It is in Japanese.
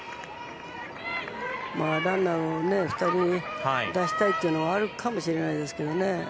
ランナーを２人出したいというのはあるかもしれないですけどね。